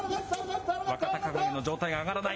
若隆景の上体が上がらない。